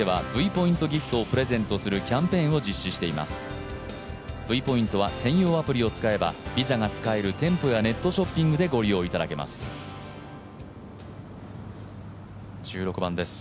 Ｖポイントは、専用アプリを使えばＶｉｓａが使える店舗やネットショッピングでご利用いただけます。